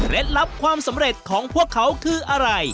ลับความสำเร็จของพวกเขาคืออะไร